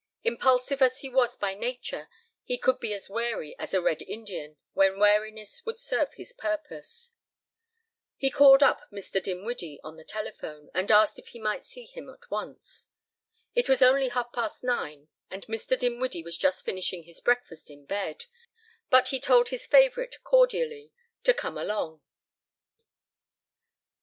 Impulsive as he was by nature he could be as wary as a Red Indian when wariness would serve his purpose. He called up Mr. Dinwiddie on the telephone and asked if he might see him at once. It was only half past nine and Mr. Dinwiddie was just finishing his breakfast in bed, but he told his favorite cordially to "come along."